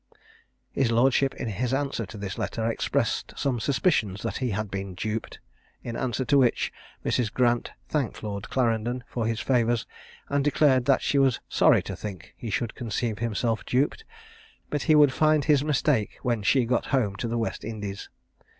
His lordship, in his answer to this letter, expressed some suspicions that he had been duped; in answer to which Mrs. Grant thanked Lord Clarendon for his favours, and declared that she was sorry to think he should conceive himself duped, but he would find his mistake when she got home to the West Indies.